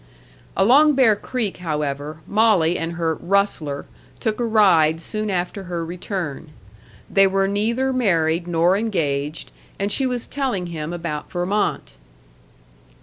Along Bear Creek, however, Molly and her "rustler" took a ride soon after her return. They were neither married nor engaged, and she was telling him about Vermont.